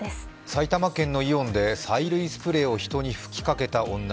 埼玉県のイオンで催涙スプレーを人に吹きかけた女。